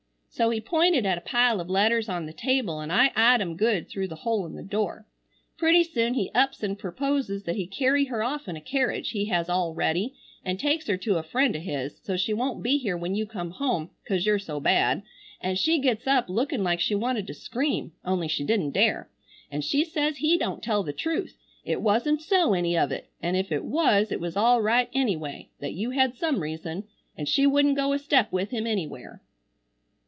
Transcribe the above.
So he pointed at a pile of letters on the table an I eyed em good through the hole in the door. Pretty soon he ups and perposes that he carry her off in a carriage he has all ready, and takes her to a friend of his, so she wont be here when you come home, cause you're so bad, and she gets up looking like she wanted to scream only she didn't dare, and she says he dont tell the truth, it wasn't so any of it, and if it was it was all right anyway, that you had some reason, an she wouldn't go a step with him anywhere.